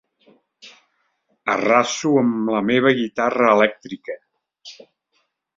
Arraso amb la meva guitarra elèctrica.